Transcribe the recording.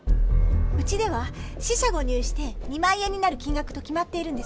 うちでは四捨五入して２万円になる金がくと決まっているんです。